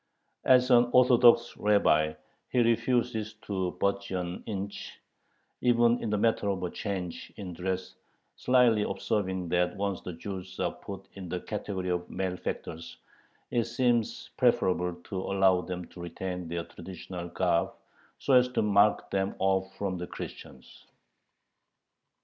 As an Orthodox rabbi he refuses to budge an inch, even in the matter of a change in dress, slyly observing that once the Jews are put in the category of malefactors, it seems preferable to allow them to retain their traditional garb, so as to mark them off from the Christians.